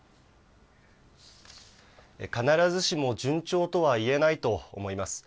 必ずしも順調とは言えないと思います。